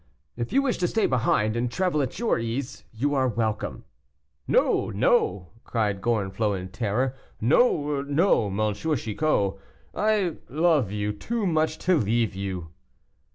"If you wish to stay behind and travel at your ease, you are welcome." "No, no!" cried Gorenflot, in terror; "no, no, M. Chicot; I love you too much to leave you!"